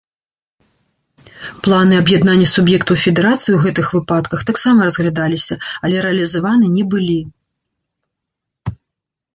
Планы аб'яднання суб'ектаў федэрацыі ў гэтых выпадках таксама разглядаліся, але рэалізаваны не былі.